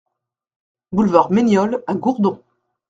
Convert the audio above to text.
Boulevard Mainiol à Gourdon